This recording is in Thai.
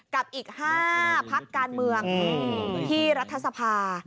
กับอีก๕พักการเมืองที่รัฐสภา